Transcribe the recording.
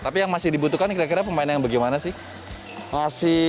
tapi yang masih dibutuhkan kira kira pemain yang bagaimana sih